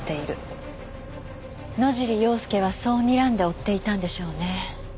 野尻要介はそうにらんで追っていたんでしょうね。